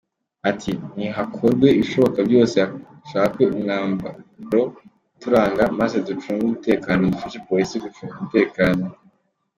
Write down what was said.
Ati “nihakorwe ibishoboka byose hashakwe umwambaro uturanga, maze ducunge umutekano dufashe Polisi gucunga umutekano.